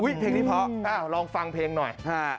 เฮ้ยเพลงนี้พอลองฟังเพลงหน่อย